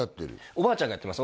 おばあちゃんがやってます